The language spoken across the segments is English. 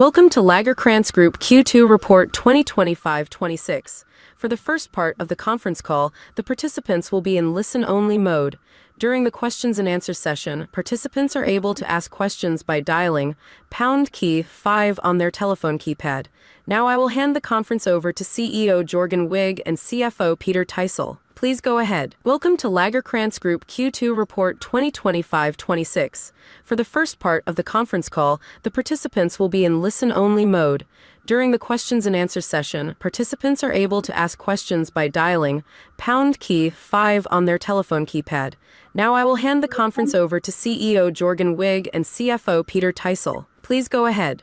Welcome to Lagercrantz Group AB Q2 report 2025/2026. For the first part of the conference call, the participants will be in listen-only mode. During the questions and answers session, participants are able to ask questions by dialing 5 on their telephone keypad. Now, I will hand the conference over to CEO Jörgen Wigh and CFO Peter Thysell. Please go ahead. Welcome to Lagercrantz Group AB Q2 report 2025-2026. For the first part of the conference call, the participants will be in listen-only mode. During the questions and answers session, participants are able to ask questions by dialing 5 on their telephone keypad. Now, I will hand the conference over to CEO Jörgen Wigh and CFO Peter Thysell. Please go ahead.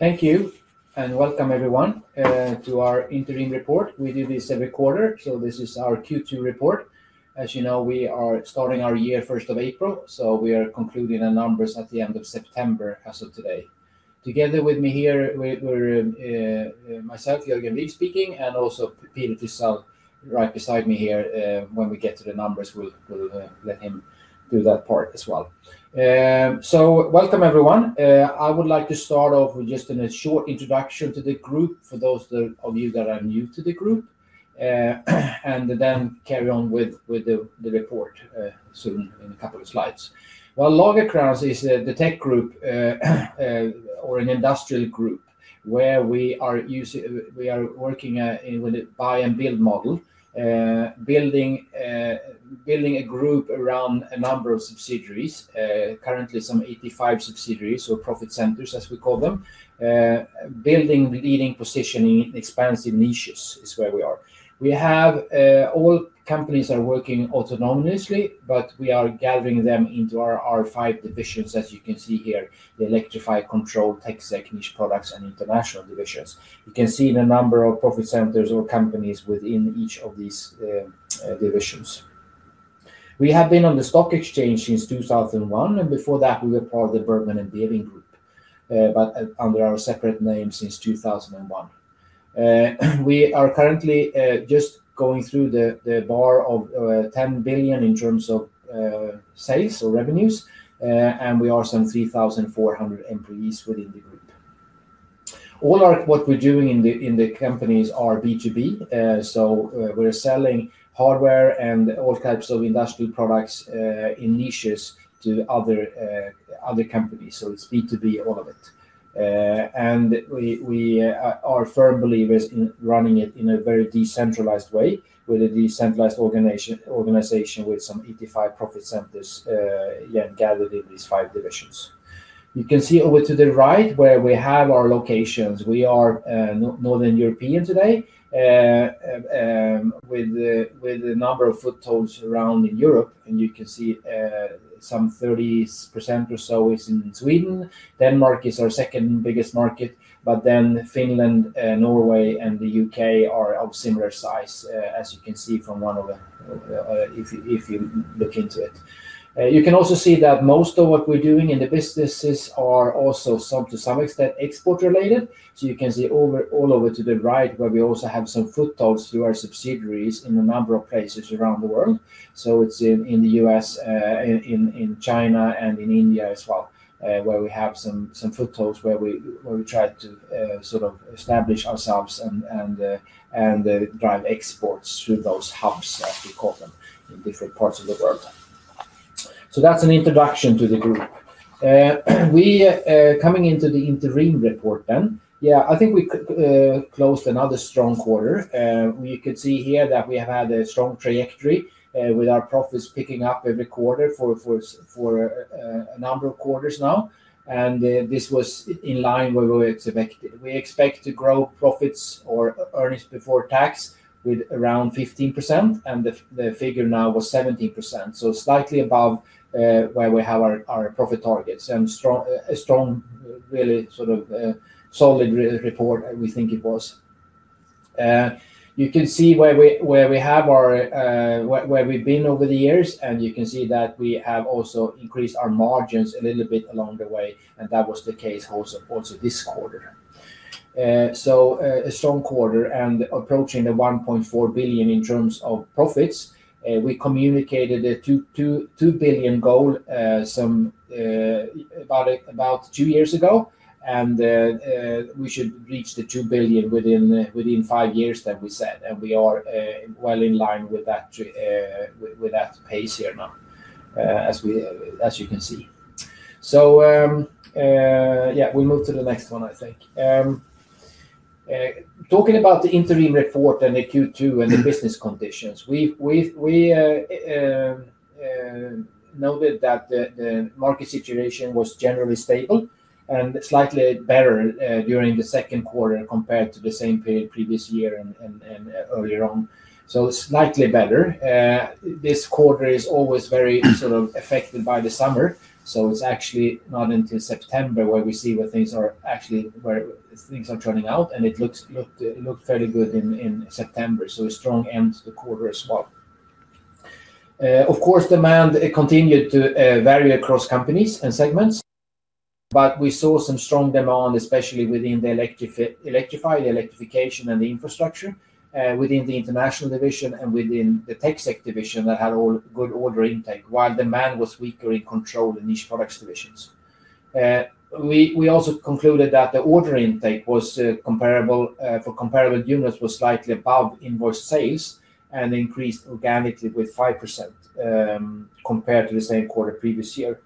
Thank you, and welcome everyone to our interim report. We do this every quarter, so this is our Q2 report. As you know, we are starting our year 1st of April, so we are concluding the numbers at the end of September as of today. Together with me here, we're myself, Jörgen Wigh speaking, and also Peter Thysell right beside me here. When we get to the numbers, we'll let him do that part as well. Welcome everyone. I would like to start off with just a short introduction to the group for those of you that are new to the group, and then carry on with the report soon in a couple of slides. Lagercrantz Group AB is the tech group or an industrial group where we are working with the buy-and-build growth model, building a group around a number of subsidiaries, currently some 85 subsidiaries or profit centers, as we call them, building leading positioning in expansive niches is where we are. We have all companies that are working autonomously, but we are gathering them into our five divisions, as you can see here: the Electrify, Control, TecSec, Niche Products, and International divisions. You can see the number of profit centers or companies within each of these divisions. We have been on the stock exchange since 2001, and before that, we were part of the Bergmann & Behring Group, but under our separate names since 2001. We are currently just going through the bar of 10 billion in terms of sales or revenues, and we are some 3,400 employees within the group. All what we're doing in the companies are B2B, so we're selling hardware and all types of industrial products in niches to other companies, so it's B2B, all of it. We are firm believers in running it in a very decentralized way with a decentralized organization with some 85 profit centers gathered in these five divisions. You can see over to the right where we have our locations. We are Northern European today with a number of footholds around in Europe, and you can see some 30% or so is in Sweden. Denmark is our second biggest market, then Finland, Norway, and the UK are of similar size, as you can see from one of them, if you look into it. You can also see that most of what we're doing in the businesses are also, to some extent, export related, so you can see all over to the right where we also have some footholds through our subsidiaries in a number of places around the world. It's in the US, in China, and in India as well, where we have some footholds where we try to sort of establish ourselves and drive exports through those hubs, as we call them, in different parts of the world. That's an introduction to the group. Coming into the interim report then, I think we closed another strong quarter. You could see here that we have had a strong trajectory with our profits picking up every quarter for a number of quarters now, and this was in line where we expect to grow profits or earnings before tax with around 15%, and the figure now was 17%, so slightly above where we have our profit targets. A strong, really sort of solid report, we think it was. You can see where we have our, where we've been over the years, and you can see that we have also increased our margins a little bit along the way, and that was the case also this quarter. A strong quarter and approaching 1.4 billion in terms of profits. We communicated a 2 billion goal about two years ago, and we should reach the 2 billion within five years that we said, and we are well in line with that pace here now, as you can see. We'll move to the next one, I think. Talking about the interim report and the Q2 and the business conditions, we noted that the market situation was generally stable and slightly better during the second quarter compared to the same period previous year and earlier on, so slightly better. This quarter is always very sort of affected by the summer, so it's actually not until September where we see where things are turning out, and it looked fairly good in September, so a strong end to the quarter as well. Of course, demand continued to vary across companies and segments, but we saw some strong demand, especially within the Electrify, the electrification, and the infrastructure within the International division and within the TecSec division that had all good order intake, while demand was weaker in Control and Niche Products divisions. We also concluded that the order intake for comparable units was slightly above invoice sales and increased organically with 5% compared to the same quarter previous year,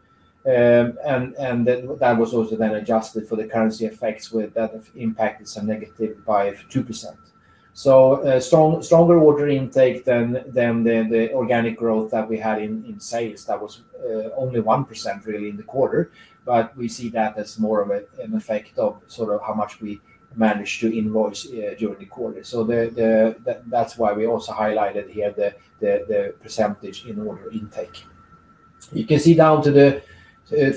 and that was also then adjusted for the currency effects that impacted some negative by 2%. Stronger order intake than the organic growth that we had in sales, that was only 1% really in the quarter, but we see that as more of an effect of how much we managed to invoice during the quarter. That's why we also highlighted here the % in order intake. You can see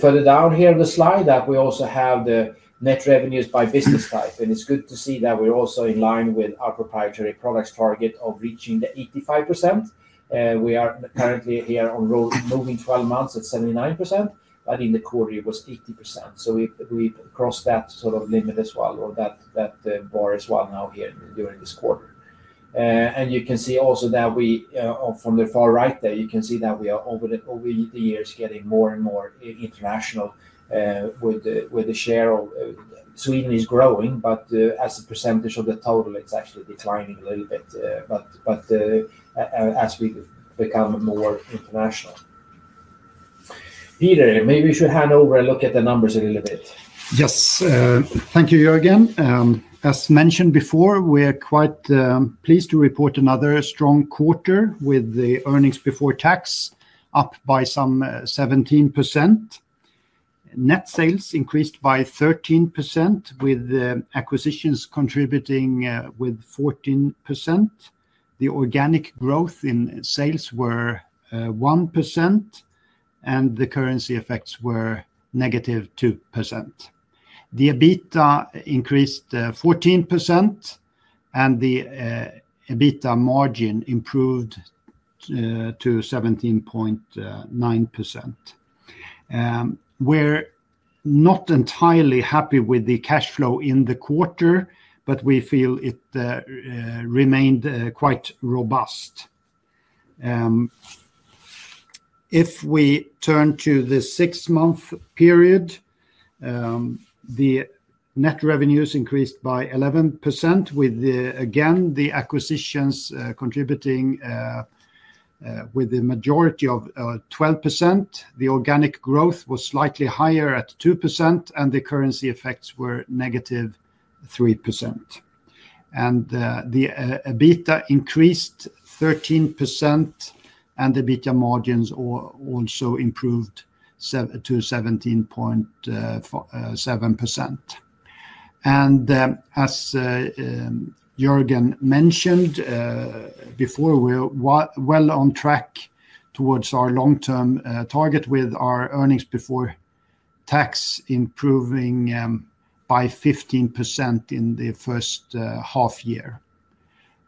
further down here on the slide that we also have the net revenues by business type, and it's good to see that we're also in line with our proprietary products target of reaching the 85%. We are currently here on rolling 12 months at 79%, but in the quarter, it was 80%. We crossed that sort of limit as well, or that bar as well now here during this quarter. You can see also that we, from the far right there, you can see that we are over the years getting more and more international with the share of Sweden growing, but as a % of the total, it's actually declining a little bit as we become more international. Peter, maybe you should hand over and look at the numbers a little bit. Yes. Thank you, Jörgen. As mentioned before, we're quite pleased to report another strong quarter with the earnings before tax up by some 17%. Net sales increased by 13% with acquisitions contributing with 14%. The organic growth in sales was 1%, and the currency effects were negative 2%. The EBITDA increased 14%, and the EBITDA margin improved to 17.9%. We're not entirely happy with the cash flow in the quarter, but we feel it remained quite robust. If we turn to the six-month period, the net revenues increased by 11% with, again, the acquisitions contributing with the majority of 12%. The organic growth was slightly higher at 2%, and the currency effects were negative 3%. The EBITDA increased 13%, and the EBITDA margins also improved to 17.7%. As Jörgen mentioned before, we're well on track towards our long-term target with our earnings before tax improving by 15% in the first half year.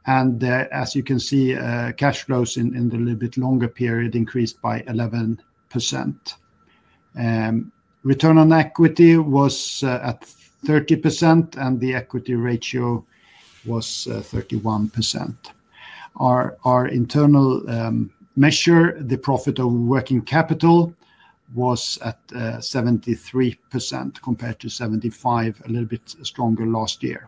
As you can see, cash flows in the little bit longer period increased by 11%. Return on equity was at 30%, and the equity ratio was 31%. Our internal measure, the profit of working capital, was at 73% compared to 75%, a little bit stronger last year.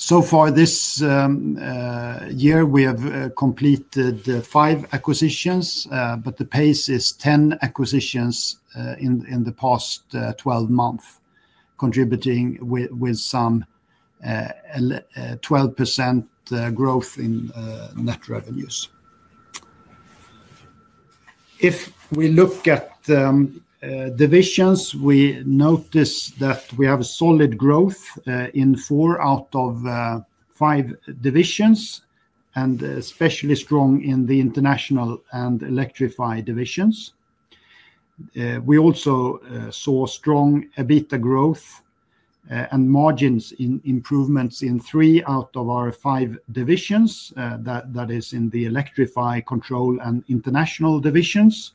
So far this year, we have completed five acquisitions, but the pace is 10 acquisitions in the past 12 months, contributing with some 12% growth in net revenues. If we look at divisions, we notice that we have a solid growth in four out of five divisions, and especially strong in the International and Electrify divisions. We also saw strong EBITDA growth and margins improvements in three out of our five divisions, that is in the Electrify, Control, and International divisions.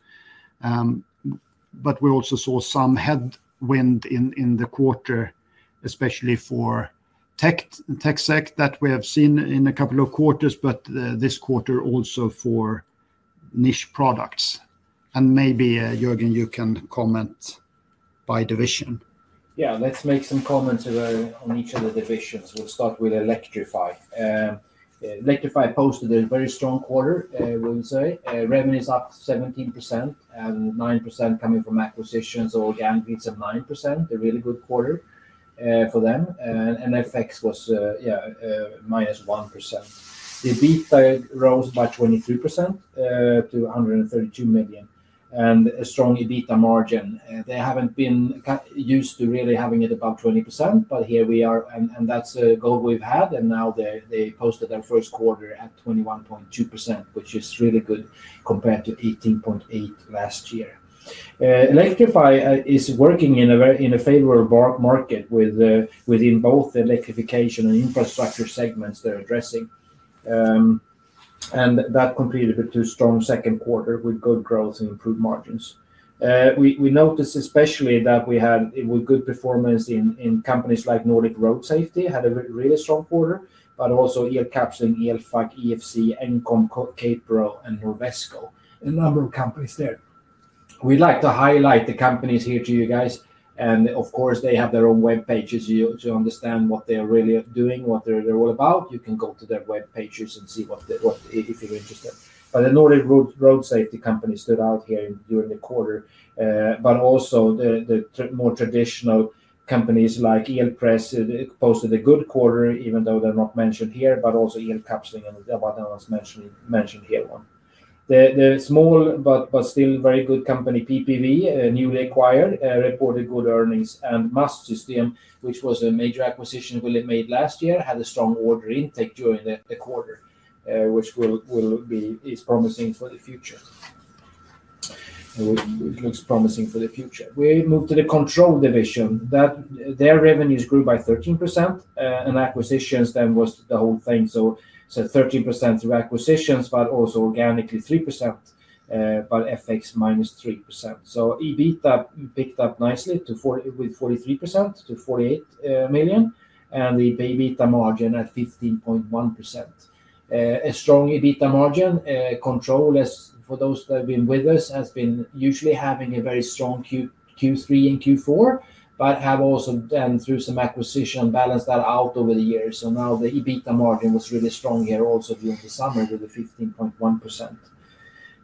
We also saw some headwind in the quarter, especially for TecSec that we have seen in a couple of quarters, but this quarter also for Niche Products. Maybe, Jörgen, you can comment by division. Yeah, let's make some comments on each of the divisions. We'll start with Electrify. Electrify posted a very strong quarter, I would say. Revenue is up 17%, and 9% coming from acquisitions or organic leads of 9%. A really good quarter for them. FX was, yeah, minus 1%. The EBITDA rose by 23% to 132 million, and a strong EBITDA margin. They haven't been used to really having it above 20%, but here we are, and that's a goal we've had. Now they posted their first quarter at 21.2%, which is really good compared to 18.8% last year. Electrify is working in a favorable market within both the electrification and infrastructure segments they're addressing. That completed a bit too strong second quarter with good growth and improved margins. We noticed especially that we had good performance in companies like Nordic Road Safety, had a really strong quarter, but also Elkapsling, ELFAC, EFC, Enkom, Kaperö, and Norvesko, a number of companies there. We'd like to highlight the companies here to you guys, and of course, they have their own web pages to understand what they're really doing, what they're all about. You can go to their web pages and see what if you're interested. The Nordic Road Safety company stood out here during the quarter, but also the more traditional companies like Elpress posted a good quarter, even though they're not mentioned here, but also Elkapsling and [Devadana] was mentioned here one. The small but still very good company, PPV, newly acquired, reported good earnings, and Mastsystem, which was a major acquisition we made last year, had a strong order intake during the quarter, which is promising for the future. It looks promising for the future. We moved to the Control division. Their revenues grew by 13%, and acquisitions then was the whole thing. So 13% through acquisitions, but also organically 3%, but FX minus 3%. EBITDA picked up nicely with 43% to 48 million, and the EBITDA margin at 15.1%. A strong EBITDA margin. Control, as for those that have been with us, has been usually having a very strong Q3 and Q4, but have also done through some acquisition balance that out over the years. Now the EBITDA margin was really strong here also during the summer with the 15.1%.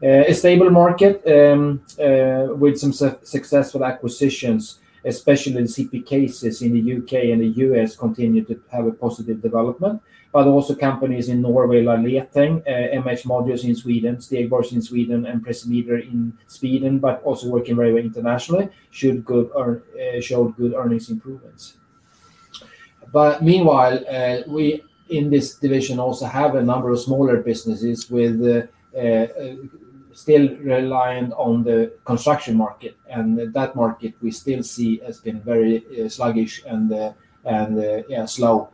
A stable market with some successful acquisitions, especially in CP cases in the UK and the US, continue to have a positive development, but also companies in Norway like Lieteng, MH Models in Sweden, Stigab in Sweden, and Precimeter in Sweden, but also working very well internationally, showed good earnings improvements. Meanwhile, we in this division also have a number of smaller businesses still reliant on the construction market, and that market we still see has been very sluggish and slow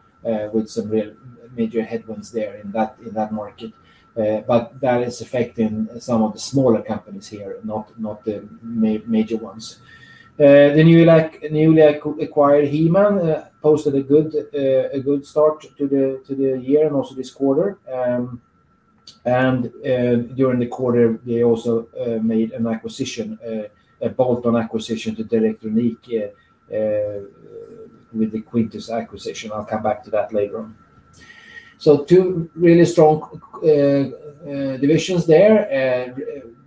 with some real major headwinds there in that market. That is affecting some of the smaller companies here, not the major ones. The newly acquired He-man posted a good start to the year and also this quarter. During the quarter, they also made an acquisition, a bolt-on acquisition to Direktronik with the Qvintus acquisition. I'll come back to that later on. Two really strong divisions there.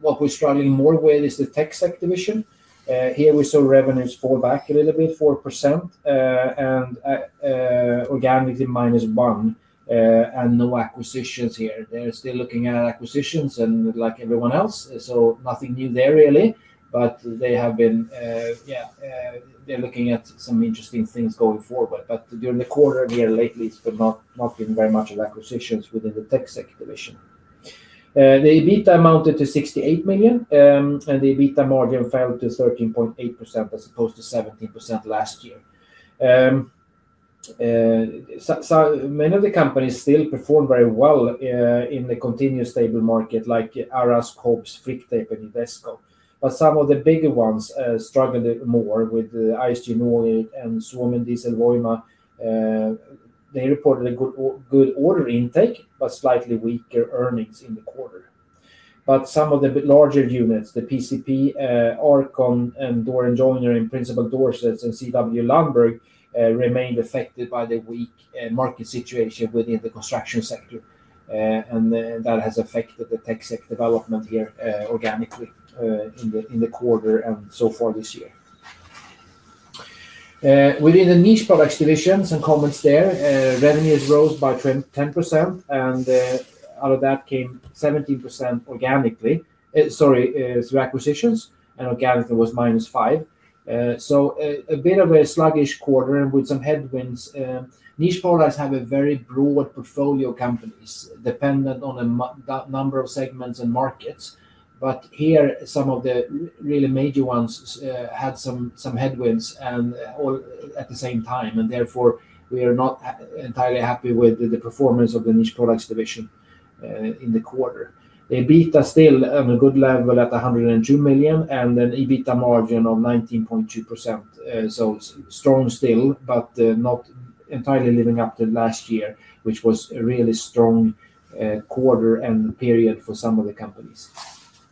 What we're struggling more with is the TecSec division. Here we saw revenues fall back a little bit, 4%, and organically minus 1%, and no acquisitions here. They're still looking at acquisitions like everyone else, so nothing new there really, but they have been looking at some interesting things going forward. During the quarter here lately, it's not been very much of acquisitions within the TecSec division. The EBITDA amounted to 68 million, and the EBITDA margin fell to 13.8% as opposed to 17% last year. Many of the companies still perform very well in the continuous stable market like Orax, Cobs, Frictape, and Idesco. Some of the bigger ones struggled more with ISG Nord and Suomen Diesel Voima. They reported a good order intake, but slightly weaker earnings in the quarter. Some of the larger units, the PCP, Arcon, and Door & Joiner in Principal Door Sets and CW Lundberg, remained affected by the weak market situation within the construction sector. That has affected the TecSec development here organically in the quarter and so far this year. Within the Niche Products division, some comments there. Revenues rose by 10%, and out of that came 17% through acquisitions, and organically was minus 5%. A bit of a sluggish quarter and with some headwinds. Niche Products have a very broad portfolio of companies dependent on a number of segments and markets. Here, some of the really major ones had some headwinds all at the same time, and therefore, we are not entirely happy with the performance of the Niche Products division in the quarter. The EBITDA is still on a good level at 102 million and an EBITDA margin of 19.2%. Strong still, but not entirely living up to last year, which was a really strong quarter and period for some of the companies.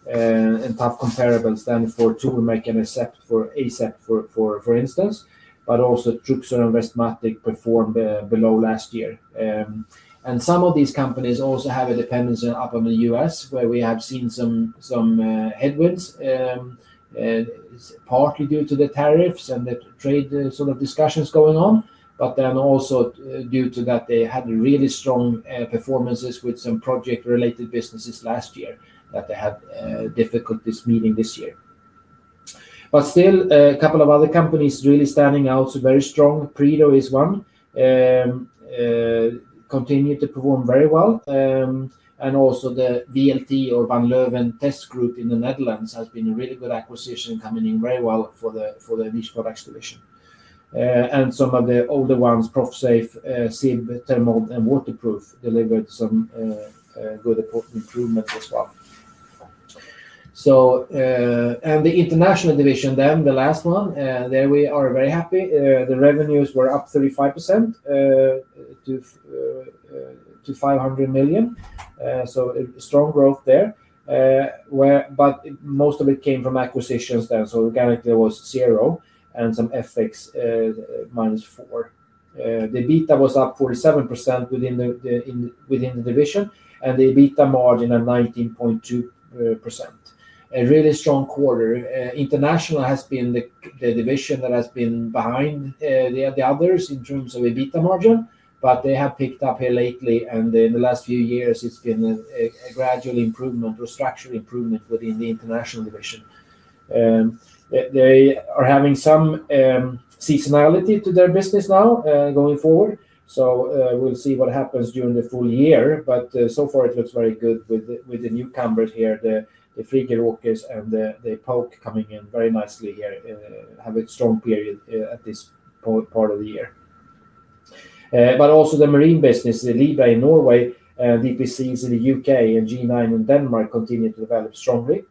Tough comparables then for Toolmec and Asept, for instance, but also Truxter and Westmatic performed below last year. Some of these companies also have a dependency in the U.S. where we have seen some headwinds, partly due to the tariffs and the trade sort of discussions going on, but also due to the fact that they had really strong performances with some project-related businesses last year that they had difficulties meeting this year. Still, a couple of other companies really standing out, so very strong. Predo is one, continued to perform very well. Also, the VLT or Van Leeuwen Test Group in the Netherlands has been a really good acquisition coming in very well for the Niche Products division. Some of the older ones, ProfSafe, SIB, Thermal, and Waterproof delivered some good improvements as well. The International division then, the last one, we are very happy. The revenues were up 35% to 500 million. Strong growth there, but most of it came from acquisitions. Organically, it was zero and some FX minus 4%. The EBITDA was up 47% within the division and the EBITDA margin at 19.2%. A really strong quarter. International has been the division that has been behind the others in terms of EBITDA margin, but they have picked up here lately, and in the last few years, it's been a gradual improvement or structural improvement within the International division. They are having some seasonality to their business now going forward. We will see what happens during the full year, but so far, it looks very good with the newcomers here, the Friggeråkers Verkstäder and Epoke coming in very nicely here, have a strong period at this part of the year. Also, the marine business, the Libra in Norway, DPCs in the UK, and G9 in Denmark continue to develop strongly.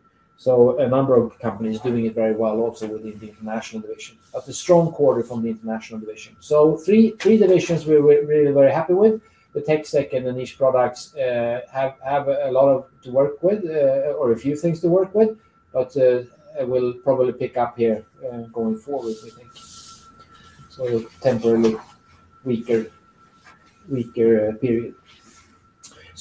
A number of companies are doing very well also within the International division. A strong quarter from the International division. Three divisions we're really very happy with. The TecSec and the Niche Products have a lot to work with or a few things to work with, but we'll probably pick up here going forward, I think. A temporarily weaker period.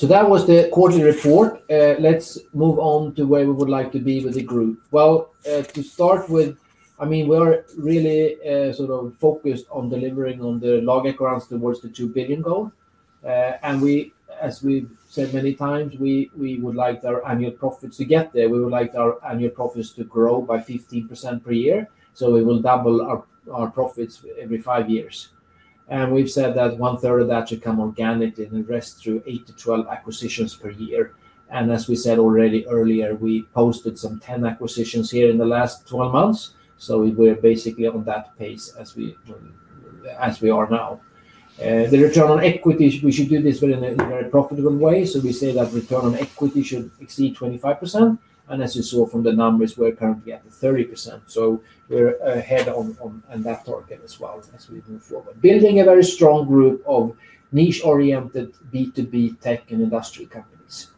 That was the quarterly report. Let's move on to where we would like to be with the group. To start with, I mean, we are really sort of focused on delivering on the Lagercrantz towards the 2 billion goal. As we've said many times, we would like our annual profits to get there. We would like our annual profits to grow by 15% per year. We will double our profits every five years. We've said that one-third of that should come organically and the rest through 8 to 12 acquisitions per year. As we said already earlier, we posted some 10 acquisitions here in the last 12 months. We're basically on that pace as we are now. The return on equity, we should do this in a very profitable way. We say that return on equity should exceed 25%. As you saw from the numbers, we're currently at 30%. We're ahead on that target as well as we move forward. Building a very strong group of niche-oriented B2B tech and industry companies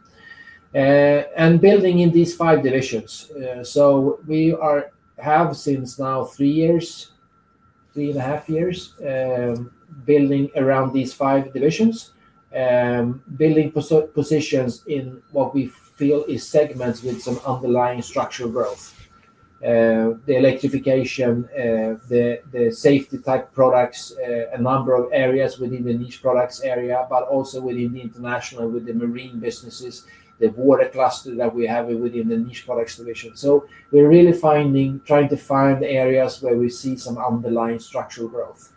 and building in these five divisions. We have since now three years, three and a half years, building around these five divisions, building positions in what we feel is segments with some underlying structural growth. The electrification, the safety type products, a number of areas within the Niche Products area, but also within the International with the marine businesses, the water cluster that we have within the Niche Products division. We're really trying to find areas where we see some underlying structural growth.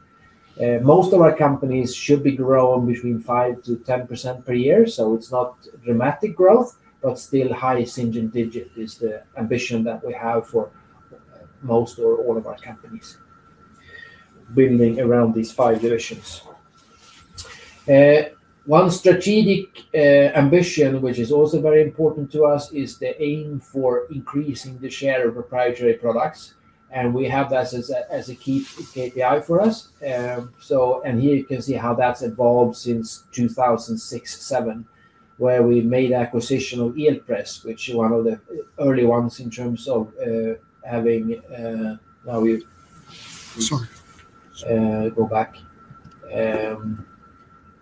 Most of our companies should be growing between 5%-10% per year. It's not dramatic growth, but still high single digit is the ambition that we have for most or all of our companies. Building around these five divisions. One strategic ambition, which is also very important to us, is the aim for increasing the share of proprietary products. We have that as a key KPI for us. Here you can see how that's evolved since 2006-2007, where we made acquisition of Elpress, which is one of the early ones in terms of having.. Go back.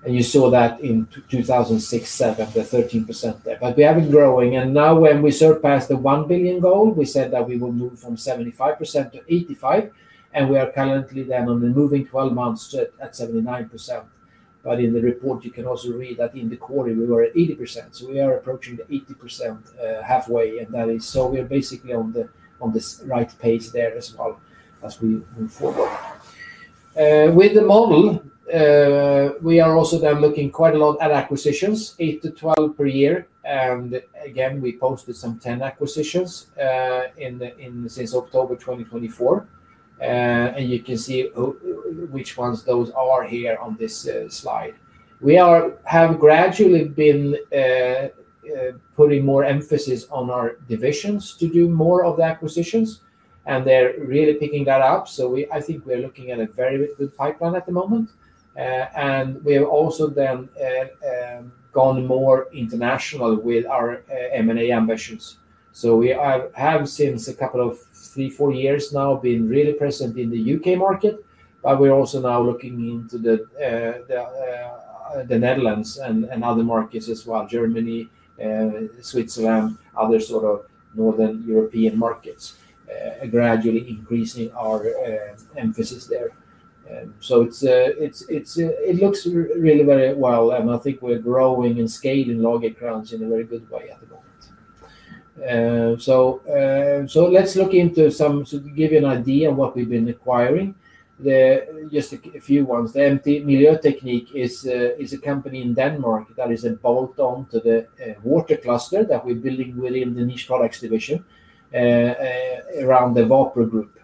You saw that in 2006-2007, the 13% there. We have been growing. Now when we surpassed the 1 billion goal, we said that we will move from 75% to 85%. We are currently then on the moving 12 months at 79%. In the report, you can also read that in the quarter, we were at 80%. We are approaching the 80% halfway. That is, we are basically on the right pace there as well as we move forward. With the model, we are also then looking quite a lot at acquisitions, 8 to 12 per year. We posted some 10 acquisitions since October 2024. You can see which ones those are here on this slide. We have gradually been putting more emphasis on our divisions to do more of the acquisitions. They're really picking that up. I think we're looking at a very good pipeline at the moment. We have also then gone more international with our M&A ambitions. We have since a couple of three, four years now been really present in the UK market, but we're also now looking into the Netherlands and other markets as well, Germany, Switzerland, other sort of Northern European markets, gradually increasing our emphasis there. It looks really very well. I think we're growing and scaling Lagercrantz Group AB in a very good way at the moment. Let's look into some, to give you an idea of what we've been acquiring, just a few ones. The MT Miljøteknik is a company in Denmark that is a bolt-on to the water cluster that we're building within the Niche Products division around the Wapro Group.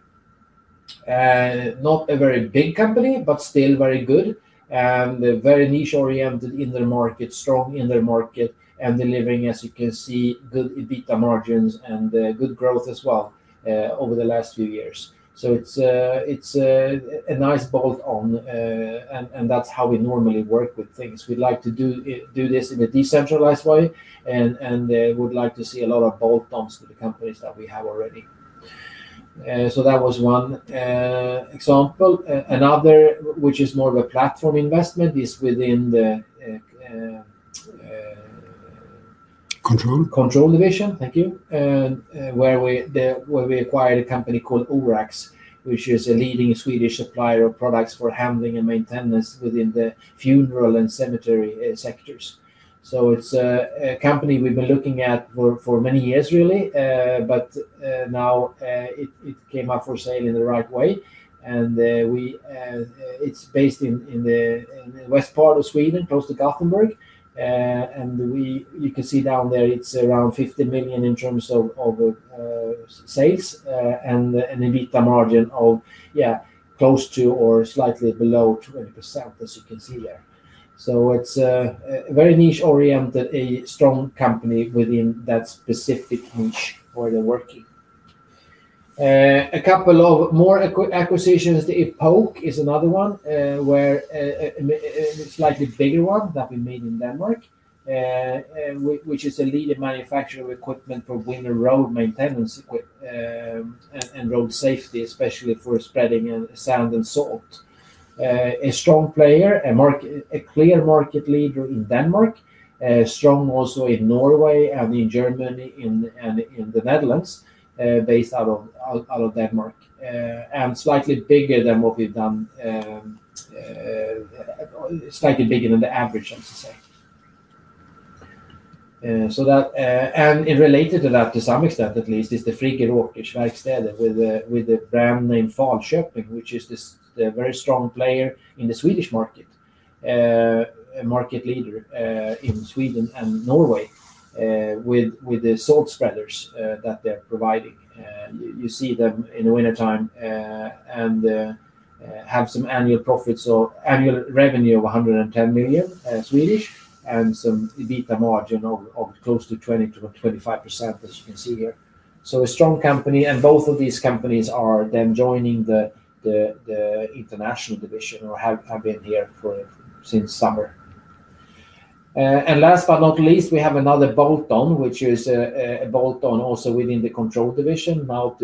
Not a very big company, but still very good. They're very niche-oriented in their market, strong in their market, and delivering, as you can see, good EBITDA margins and good growth as well over the last few years. It's a nice bolt-on. That's how we normally work with things. We'd like to do this in a decentralized way. We'd like to see a lot of bolt-ons to the companies that we have already. That was one example. Another, which is more of a platform investment, is within the control division, thank you. Where we acquired a company called Orax, which is a leading Swedish supplier of products for handling and maintenance within the funeral and cemetery sectors. It's a company we've been looking at for many years, really. Now it came up for sale in the right way. It's based in the west part of Sweden, close to Gothenburg. You can see down there, it's around 50 million in terms of sales and an EBITDA margin of, yeah, close to or slightly below 20%, as you can see there. It's a very niche-oriented, strong company within that specific niche where they're working. A couple of more acquisitions, Epoke is another one, a slightly bigger one that we made in Denmark, which is a leading manufacturer of equipment for winter road maintenance and road safety, especially for spreading sand and salt. A strong player, a clear market leader in Denmark, strong also in Norway and in Germany and in the Netherlands, based out of Denmark. Slightly bigger than what we've done, slightly bigger than the average, I would say. Related to that, to some extent at least, is the Friggeråkers Verkstäder with the brand name Falköping, which is a very strong player in the Swedish market, a market leader in Sweden and Norway with the salt spreaders that they're providing. You see them in the wintertime and have some annual profits, so annual revenue of 110 million and some EBITDA margin of close to 20% to 25%, as you can see here. A strong company, and both of these companies are then joining the International division or have been here since summer. Last but not least, we have another bolt-on, which is a bolt-on also within the Control division, now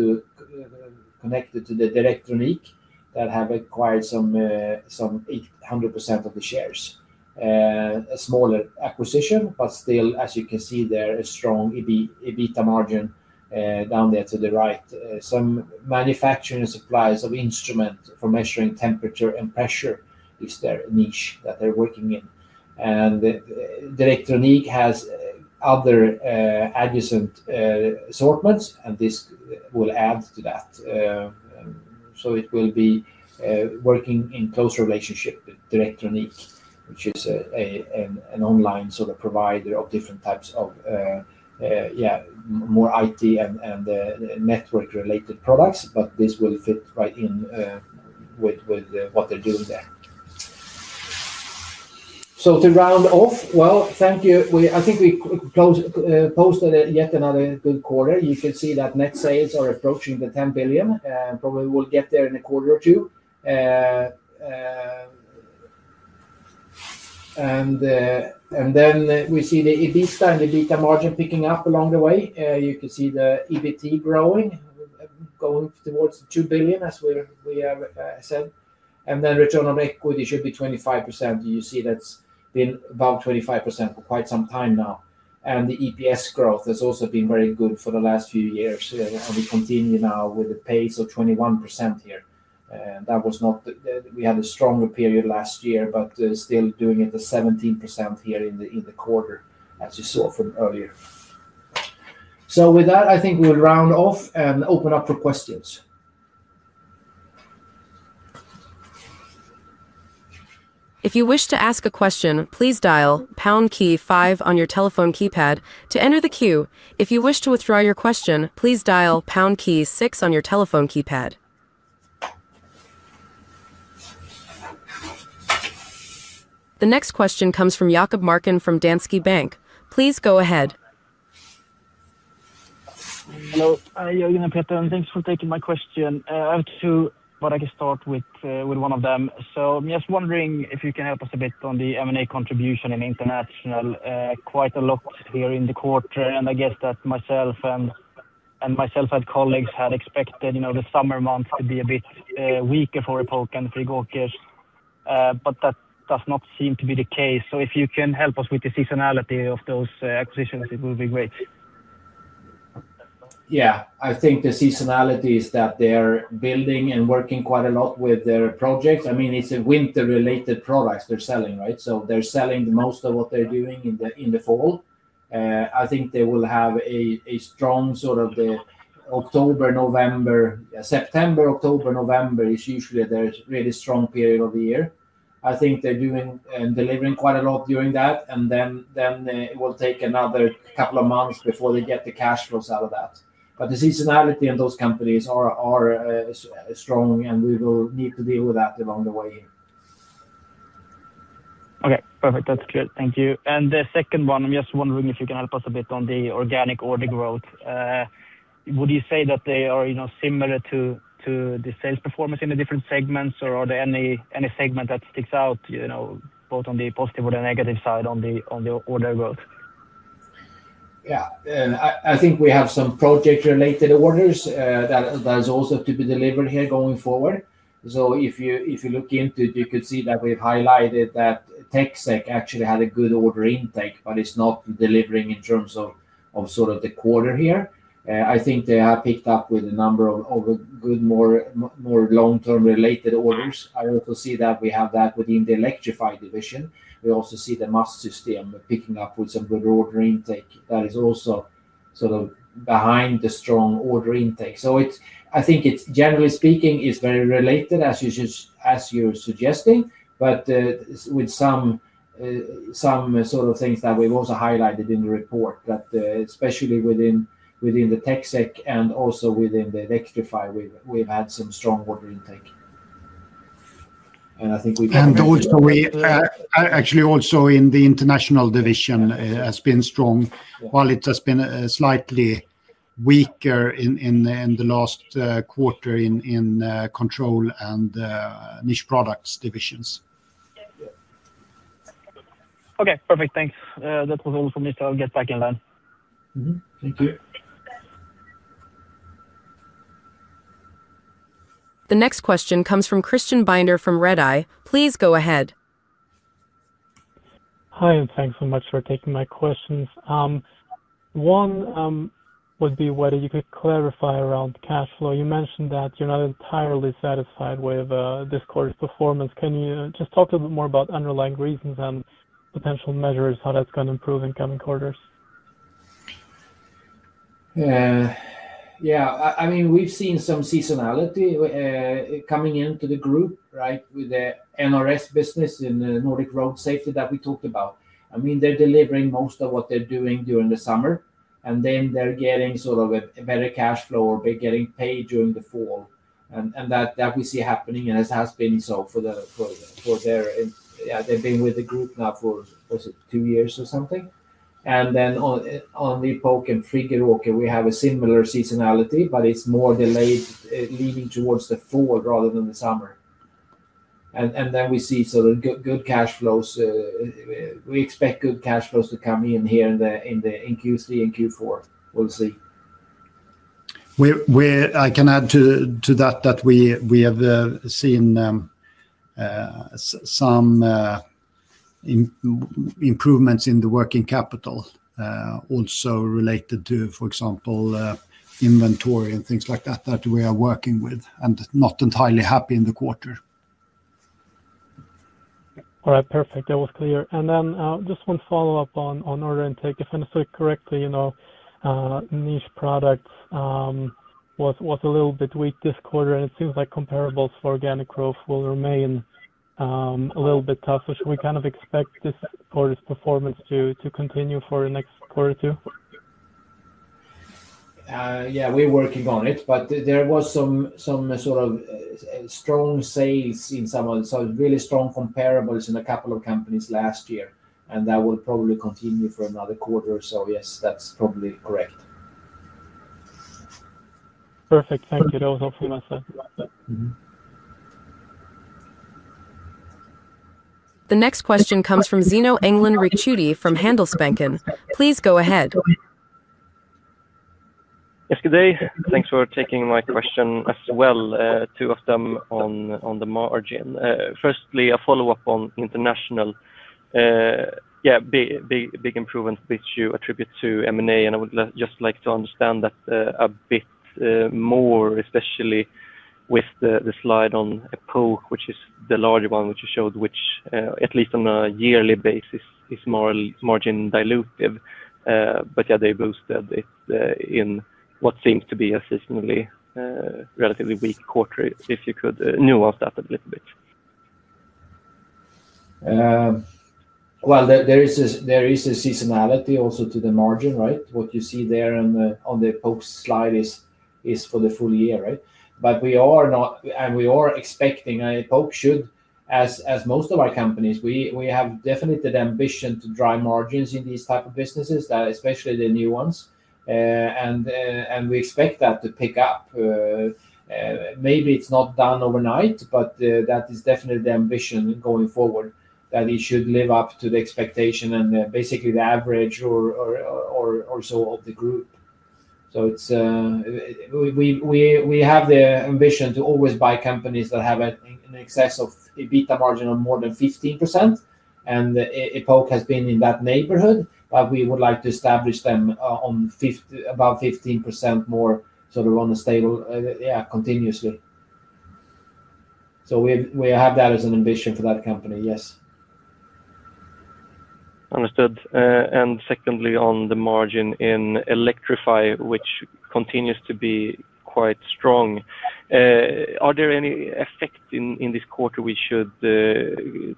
connected to Dell Electronics that have acquired some 100% of the shares. A smaller acquisition, but still, as you can see there, a strong EBITDA margin down there to the right. Some manufacturing supplies of instruments for measuring temperature and pressure is their niche that they're working in. Dell Electronics has other adjacent assortments, and this will add to that. It will be working in close relationship with Dell Electronics, which is an online sort of provider of different types of, yeah, more IT and network-related products. This will fit right in with what they're doing there. To round off, thank you. I think we posted yet another good quarter. You can see that net sales are approaching the 10 billion. Probably we'll get there in a quarter or two. We see the EBITDA and EBITDA margin picking up along the way. You can see the EBT growing, going towards the 2 billion, as we have said. Return on equity should be 25%. You see that's been about 25% for quite some time now. The EPS growth has also been very good for the last few years. We continue now with a pace of 21% here. That was not, we had a stronger period last year, but still doing it at 17% here in the quarter, as you saw from earlier. With that, I think we'll round off and open up for questions. If you wish to ask a question, please dial pound key five on your telephone keypad to enter the queue. If you wish to withdraw your question, please dial pound key six on your telephone keypad. The next question comes from Jakob Marken from Danske Bank. Please go ahead. Hi, Jörgen and Peter. Thanks for taking my question. I have two, but I can start with one of them. I'm just wondering if you can help us a bit on the M&A contribution in International. Quite a lot here in the quarter, and I guess that myself and my self-led colleagues had expected the summer months to be a bit weaker for Epoke and Friggeråkers, but that does not seem to be the case. If you can help us with the seasonality of those acquisitions, it would be great. I think the seasonality is that they're building and working quite a lot with their projects. I mean, it's a winter-related product they're selling, right? They're selling the most of what they're doing in the fall. I think they will have a strong sort of the October, November, September, October, November is usually their really strong period of the year. I think they're doing and delivering quite a lot during that, and it will take another couple of months before they get the cash flows out of that. The seasonality in those companies is strong, and we will need to deal with that along the way here. Okay, perfect. That's good. Thank you. The second one, I'm just wondering if you can help us a bit on the organic order growth. Would you say that they are similar to the sales performance in the different segments, or are there any segments that stick out, you know, both on the positive or the negative side on the order growth? Yeah, I think we have some project-related orders that are also to be delivered here going forward. If you look into it, you could see that we've highlighted that TecSec actually had a good order intake, but it's not delivering in terms of the quarter here. I think they have picked up with a number of good, more long-term related orders. I also see that we have that within the Electrify division. We also see Mastsystem picking up with some good order intake that is also behind the strong order intake. I think it's, generally speaking, very related, as you're suggesting, but with some things that we've also highlighted in the report, that especially within the TecSec and also within the Electrify, we've had some strong order intake. I think we can... We actually also in the International division have been strong, while it has been slightly weaker in the last quarter in Control and Niche Products divisions. Okay, perfect. Thanks. That was all from me. I'll get back in line. Thank you. The next question comes from Christian Binder from Redeye. Please go ahead. Hi, and thanks so much for taking my questions. One would be whether you could clarify around cash flow. You mentioned that you're not entirely satisfied with this quarter's performance. Can you just talk a little bit more about underlying reasons and potential measures, how that's going to improve in coming quarters? Yeah, I mean, we've seen some seasonality coming into the group, right, with the NRS business in the Nordic Road Safety that we talked about. I mean, they're delivering most of what they're doing during the summer, and they're getting sort of a better cash flow or they're getting paid during the fall. That we see happening, and it has been so for their... they've been with the group now for two years or something. On the Epoke and Friggeråkers Verkstäder, we have a similar seasonality, but it's more delayed leading towards the fall rather than the summer. We see sort of good cash flows. We expect good cash flows to come in here in Q3 and Q4. We'll see. I can add to that that we have seen some improvements in the working capital, also related to, for example, inventory and things like that that we are working with and not entirely happy in the quarter. All right, perfect. That was clear. Then just one follow-up on order intake. If I understood correctly, you know Niche Products was a little bit weak this quarter, and it seems like comparables for organic growth will remain a little bit tough. Should we kind of expect this quarter's performance to continue for the next quarter or two? Yeah, we're working on it, but there were some sort of strong sales in some of the... really strong comparables in a couple of companies last year, and that will probably continue for another quarter. Yes, that's probably correct. Perfect. Thank you. That was all from myself. The next question comes from Zino Engdalen Ricciuti from Handelsbanken. Please go ahead. Yesterday, thanks for taking my question as well, two of them on the margin. Firstly, a follow-up on International. Yeah, big improvements which you attribute to M&A, and I would just like to understand that a bit more, especially with the slide on Epoke, which is the larger one which you showed, which at least on a yearly basis is margin dilutive. Yeah, they boosted it in what seems to be a seasonally relatively weak quarter. If you could nuance that a little bit. There is a seasonality also to the margin, right? What you see there on the Epoke slide is for the full year, right? We are expecting Epoke should, as most of our companies, we have definitely the ambition to drive margins in these types of businesses, especially the new ones. We expect that to pick up. Maybe it's not done overnight, but that is definitely the ambition going forward, that it should live up to the expectation and basically the average or so of the group. We have the ambition to always buy companies that have an excess of EBITDA margin of more than 15%. Epoke has been in that neighborhood, but we would like to establish them on about 15% more sort of on a stable, yeah, continuously. We have that as an ambition for that company, yes. Understood. Secondly, on the margin in Electrify, which continues to be quite strong, are there any effects in this quarter we should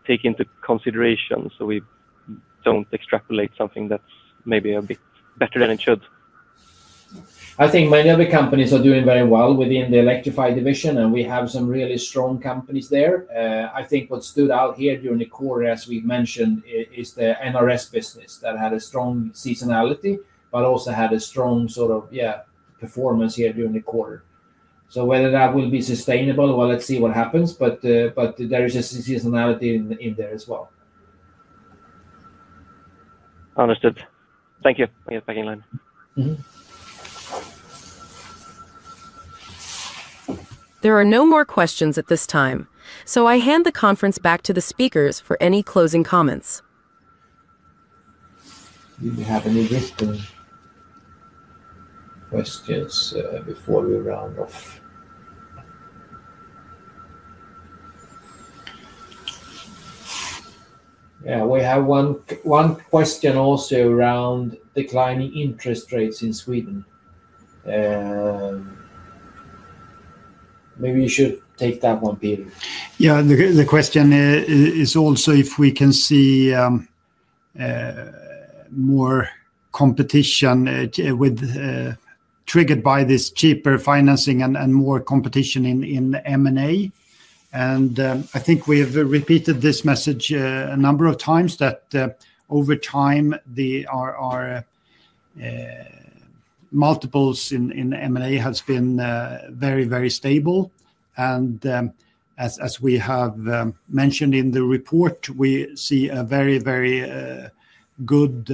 take into consideration so we don't extrapolate something that's maybe a bit better than it should? I think many other companies are doing very well within the Electrify division, and we have some really strong companies there. I think what stood out here during the quarter, as we've mentioned, is the Nordic Road Safety business that had a strong seasonality, but also had a strong sort of, yeah, performance here during the quarter. Whether that will be sustainable, let's see what happens, but there is a seasonality in there as well. Understood. Thank you. I'll get back in line. There are no more questions at this time. I hand the conference back to the speakers for any closing comments. Do we have any listeners? Questions before we round off? Yeah, we have one question also around declining interest rates in Sweden. Maybe you should take that one, Peter. The question is also if we can see more competition triggered by this cheaper financing and more competition in M&A. I think we have repeated this message a number of times that over time, the multiples in M&A have been very, very stable. As we have mentioned in the report, we see a very, very good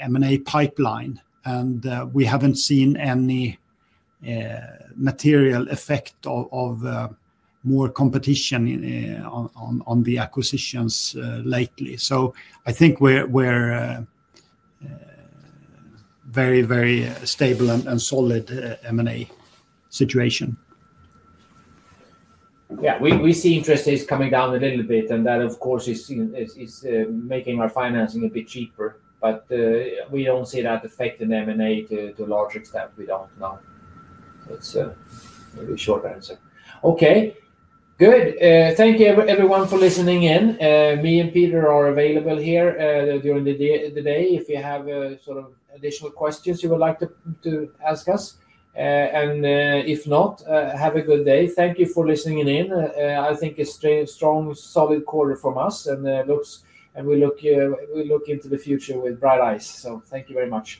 acquisition pipeline. We haven't seen any material effect of more competition on the acquisitions lately. I think we're very, very stable and solid M&A situation. Yeah, we see interest rates coming down a little bit, and that, of course, is making our financing a bit cheaper. We don't see that affecting M&A to a large extent. We don't know. It's a very short answer. Okay, good. Thank you, everyone, for listening in. Peter and I are available here during the day if you have additional questions you would like to ask us. If not, have a good day. Thank you for listening in. I think it's a strong, solid quarter from us, and we look into the future with bright eyes. Thank you very much.